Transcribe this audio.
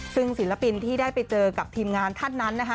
ซึ่งศิลปินที่ได้ไปเจอกับทีมงานท่านนั้นนะคะ